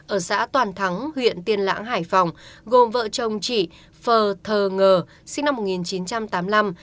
ở xã toàn thắng huyện tiên lãng hải phòng gồm vợ chồng chị phờ sinh năm một nghìn chín trăm tám mươi năm